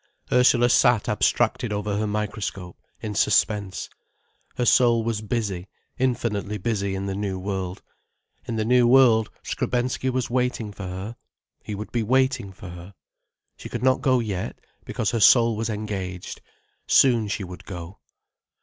Ursula sat abstracted over her microscope, in suspense. Her soul was busy, infinitely busy, in the new world. In the new world, Skrebensky was waiting for her—he would be waiting for her. She could not go yet, because her soul was engaged. Soon she would go.